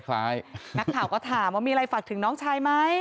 นักข่าวก็ถามว่ามีอะไรฝากถึงน้องชายไหม